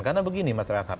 karena begini masyarakat